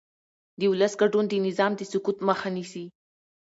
د ولس ګډون د نظام د سقوط مخه نیسي